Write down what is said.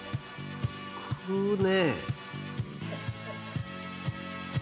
食うね！